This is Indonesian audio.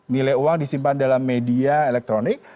nilai uang disimpan dalam media elektronik